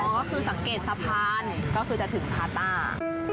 ก็คือสังเกตสะพานก็คือจะถึงพาต้า